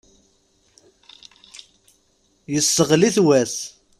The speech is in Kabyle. Yesseɣli-t wass.